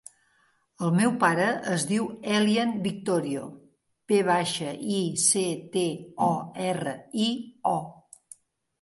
El meu pare es diu Elian Victorio: ve baixa, i, ce, te, o, erra, i, o.